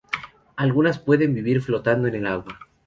Algunas pueden vivir flotando en el agua.